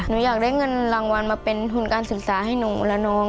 หนูอยากได้เงินรางวัลมาเป็นทุนการศึกษาให้หนูและน้อง